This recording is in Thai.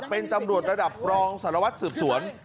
เป็นตำรวจระดับรองสารวัตรสืบสวน